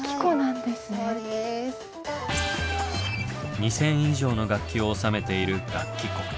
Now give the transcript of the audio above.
２，０００以上の楽器を収めている楽器庫。